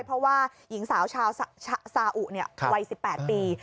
เพราะว่าหญิงสาวชาวซาอุวัย๑๘ปี